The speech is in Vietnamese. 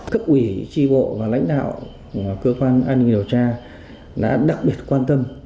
các quỷ tri bộ và lãnh đạo của cơ quan an ninh điều tra đã đặc biệt quan tâm